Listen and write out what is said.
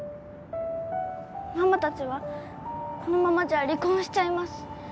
ママ達はこのままじゃ離婚しちゃいます